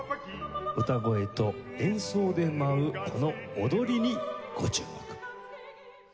歌声と演奏で舞うこの踊りにご注目！